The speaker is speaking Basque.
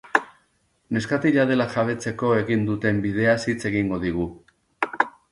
Neskatila dela jabetzeko egin duten bideaz hitz egingo digu.